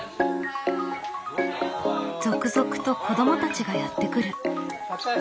続々と子どもたちがやって来る。